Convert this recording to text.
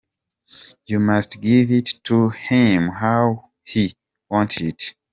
You must give it to him how he wants it.